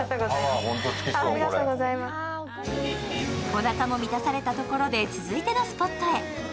おなかも満たされたところで続いてのスポットへ。